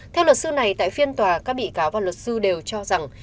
theo luật sư này tại phiên tòa các bị cáo và luật sư đều cho rằng